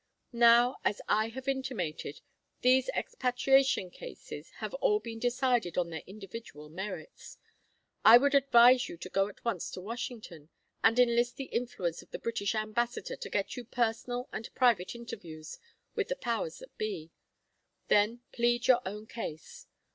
Now, as I have intimated, these expatriation cases have all been decided on their individual merits. I should advise you to go at once to Washington, and enlist the influence of the British Ambassador to get you personal and private interviews with the powers that be. Then plead your own case.